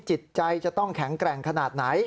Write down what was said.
จิตใจจะต้องแข็งแกร่งขนาดไหน